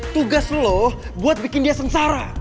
tugas lo buat bikin dia sengsara